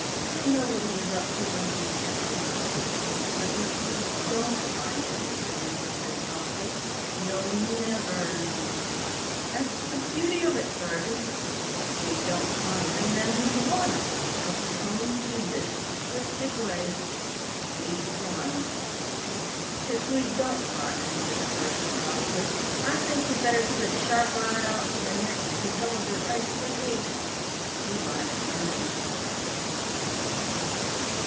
We'll know what he was up to when we catch him." "But if we don't find him," the major said softly, "we'll never know. That's the beauty of it, sergeant. If we don't find him, then he's won. In his own fiendish, twisted way, he's won." "If we don't find him," said the sergeant stolidly, "I think we better keep a sharp eye out for the next intelligent race we meet. He might find 'em first."